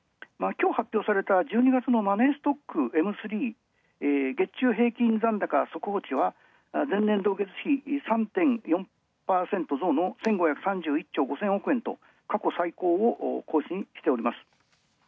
今日発表された１２月のマネーストック、Ｍ３、平均残高、速報値は前年同月比、３．４％増の１５３１兆５０００億円と過去最高を更新しております。